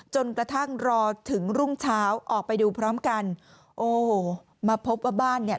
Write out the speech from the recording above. จนกระทั่งรอถึงรุ่งเช้าออกไปดูพร้อมกันโอ้โหมาพบว่าบ้านเนี่ย